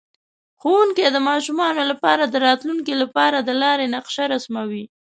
ښوونکی د ماشومانو لپاره د راتلونکي لپاره د لارې نقشه رسموي.